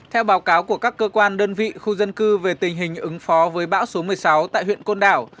theo báo cáo của các cơ quan đơn vị khu dân cư về tình hình ứng phó với bão số một mươi sáu tại huyện côn đảo